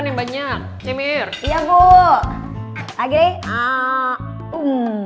enak juga makan yang banyak cimir iya bu